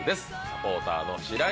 サポーターの。